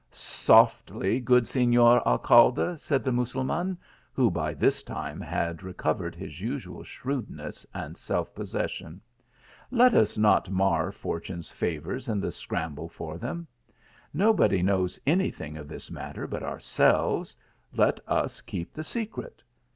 " Softly, good Senor Alcalde," said the Mussul man, who by this time had recovered his usual shrewdness and self possession. " Let us not mar fortune s favours in the scramble for them. Nobody knows any thing of this matter but ourselves ; let us keep the secret.